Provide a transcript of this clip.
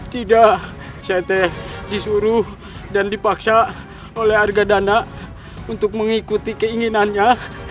tidak ct disuruh dan dipaksa oleh harga dana untuk mengikuti keinginannya